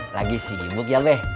lagi sibuk ya be